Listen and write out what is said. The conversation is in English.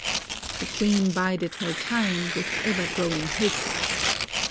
The queen bided her time, with ever growing hatred.